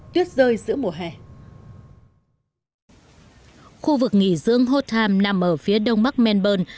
tuyết rơi giữa mùa hè khu vực nghỉ dưỡng hotham nằm ở phía đông bắc menburne